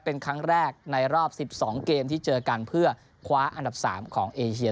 เป็นครั้งแรกในรอบ๑๒เกมที่เจอกันเพื่อคว้าอันดับ๓ของเอเชีย